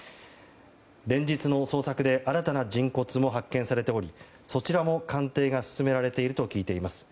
連日の捜索で新たな人骨も発見されておりそちらも鑑定が進められていると聞いています。